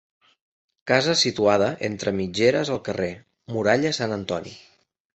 Casa situada entre mitgeres al carrer Muralla Sant Antoni.